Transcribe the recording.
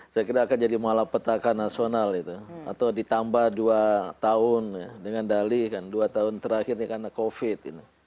saya kira akan jadi malapetaka nasional itu atau ditambah dua tahun dengan dali kan dua tahun terakhir ini karena covid